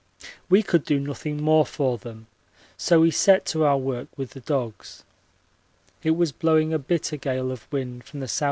We could do nothing more for them, so we set to our work with the dogs. It was blowing a bitter gale of wind from the S.E.